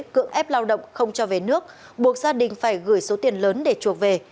cưỡng ép lao động không cho về nước buộc gia đình phải gửi số tiền lớn để chuộc về